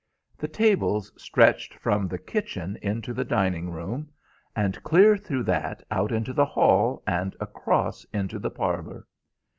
The tables stretched from the kitchen into the dining room, and clear through that out into the hall, and across into the parlor.